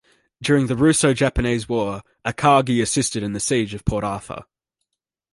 During the Russo-Japanese War, "Akagi" assisted in the Siege of Port Arthur.